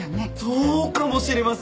そうかもしれません！